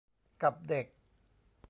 กับเด็ก